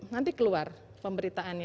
nanti keluar pemberitaannya